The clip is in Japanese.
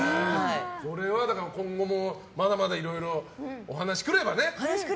これは今後もまだまだいろいろお話来ればね。